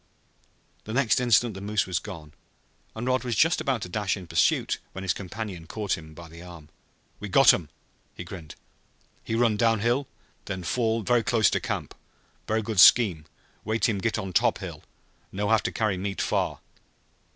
The next instant the moose was gone and Rod was just about to dash in pursuit when his companion caught him by the arm. "We got um!" he grinned. "He run downhill, then fall ver' close to camp. Ver' good scheme wait heem git on top hill. No have to carry meat far!"